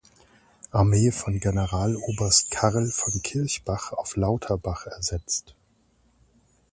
Armee von Generaloberst Karl von Kirchbach auf Lauterbach ersetzt.